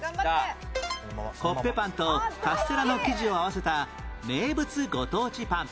コッペパンとカステラの生地を合わせた名物ご当地パン